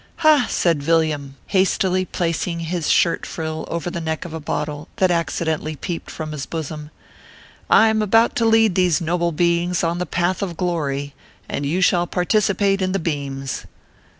" Ha !" said Villiam, hastily placing his shirt frill over the neck of a bottle that accidentally peeped from his bosom " I am about to lead these noble beings on the path of glory, and you shall participate in the beams."